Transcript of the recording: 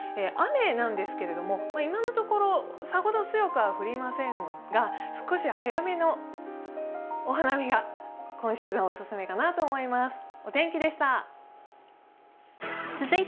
雨なんですけれども、今のところさほど強くは降りませんが、少し早めのお花見が今シーズン、オススメかなと思います。